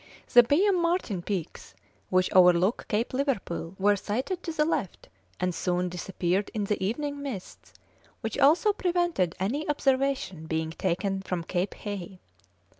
The Byam Martin peaks, which overlook Cape Liverpool, were sighted to the left, and soon disappeared in the evening mists, which also prevented any observation being taken from Cape Hay.